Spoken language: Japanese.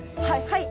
はい！